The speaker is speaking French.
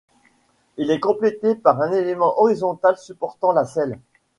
Il est complété par un élément horizontal supportant la selle.